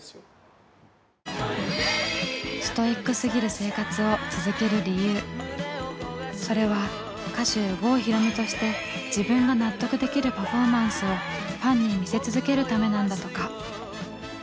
時間なくてもそれは歌手「郷ひろみ」として自分が納得できるパフォーマンスをファンに見せ続けるためなんだとか。